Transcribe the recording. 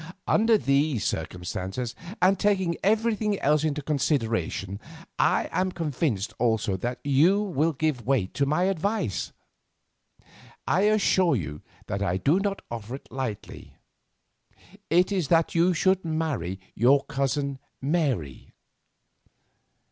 Under these circumstances, and taking everything else into consideration, I am convinced also that you will give weight to my advice. I assure you that I do not offer it lightly. It is that you should marry your cousin Mary."